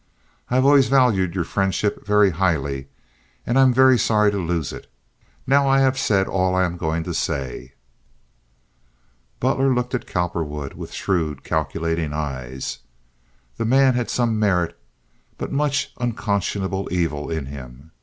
I have always valued your friendship very highly, and I am very sorry to lose it. Now I have said all I am going to say." Butler looked at Cowperwood with shrewd, calculating eyes. The man had some merit, but much unconscionable evil in him.